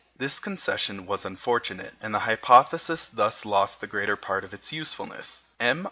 This concession was unfortunate, and the hypothesis thus lost the greater part of its usefulness. M.